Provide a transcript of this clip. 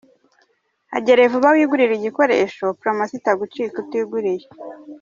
Hagere vuba wigurire igikoresho Promosiyo itagucika utiguriye.